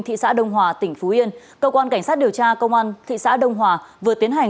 thị xã đông hòa tỉnh phú yên cơ quan cảnh sát điều tra công an thị xã đông hòa vừa tiến hành